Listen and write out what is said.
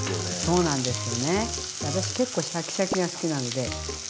そうなんですよ。